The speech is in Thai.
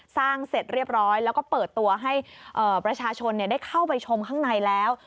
เสร็จเรียบร้อยแล้วก็เปิดตัวให้ประชาชนได้เข้าไปชมข้างในแล้ว